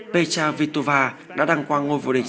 petra vitova đã đăng qua ngôi vô địch